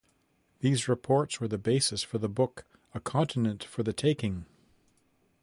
These reports were the basis for the book "A Continent for the Taking".